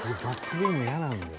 ゲーム嫌なんだよ